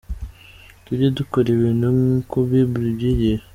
Tujye dukora ibintu nkuko bible ibyigisha.